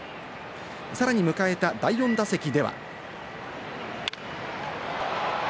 さらに迎えた第４打席では。